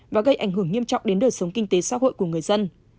và gây ảnh hưởng nghiêm trọng đến đời sống kinh tế xã hội của người dân